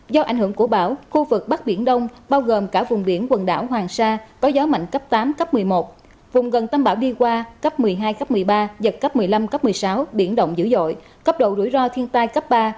do ảnh hưởng của bão khu vực bắc biển đông bao gồm cả vùng biển quần đảo hoàng sa có gió mạnh cấp tám cấp một mươi một vùng gần tâm bão đi qua cấp một mươi hai cấp một mươi ba giật cấp một mươi năm cấp một mươi sáu biển động dữ dội cấp độ rủi ro thiên tai cấp ba